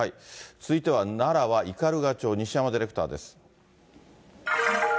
続いては奈良は斑鳩町、西山ディレクターです。